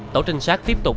tổ trinh sát tiếp tục